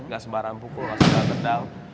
gak sembarangan pukul gak sembarangan gedal